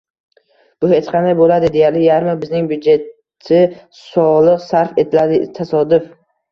Bu hech qanday bo'ladi deyarli yarmi bizning byudjeti soliq sarf etiladi tasodif